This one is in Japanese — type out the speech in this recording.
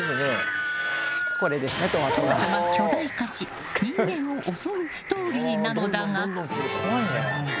トマトが巨大化し人間を襲うストーリなのだが。